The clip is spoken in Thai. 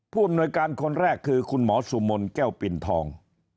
ผู้อำนวยการคนแรกคือคุณหมอสุมนแก้วปินทอง